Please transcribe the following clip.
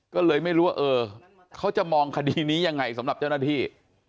ก็เลยไม่รู้ว่าเออเขาจะมองคดีนี้ยังไงสำหรับเจ้าหน้าที่